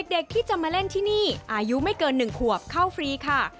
เด็กที่จะมาเล่นที่นี่อายุไม่เกิน๑ขวบเข้าฟรีค่ะ